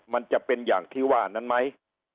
มันจะเป็นอย่างที่ว่านั้นไหม